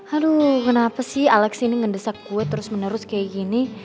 aduh kenapa sih alex ini ngedesak kue terus menerus kayak gini